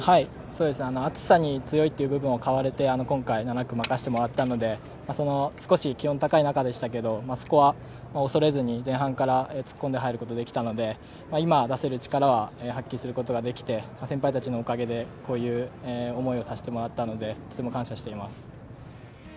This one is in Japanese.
暑さに強いという部分をかわれて今回７区を任せてもらったので、少し気温が高い中でしたけど、そこは恐れずに前半から突っ込んで入ることができたので、今、出せる力は発揮することができて先輩たちのおかげでこういう思いをさせてもらったのでとても感謝しています。